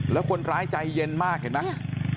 แล้วคนปลายใจเย็นมากเห็นมั้ย